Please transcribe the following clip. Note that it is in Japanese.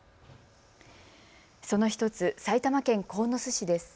その１つ、埼玉県鴻巣市です。